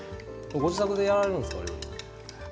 ご自宅で料理はするんですか。